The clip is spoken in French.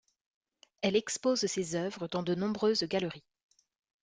Elle expose ses œuvres dans de nombreuses galeries.